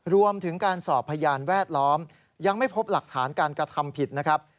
รวมถึงการสอบพยานแวดล้อมยังไม่พบหลักฐานการกระทำผิดนะครับ